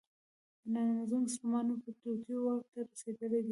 دا نظامونه د نامسلمانو په توطیو واک ته رسېدلي دي.